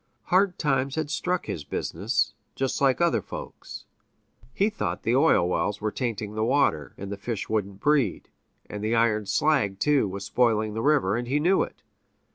hard times had struck his business, just like other folks'. He thought the oil wells were tainting the water, and the fish wouldn't breed and the iron slag, too, was spoiling the river, and he knew it.